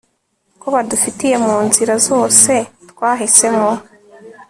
ko badufitiye munzira zose twahisemo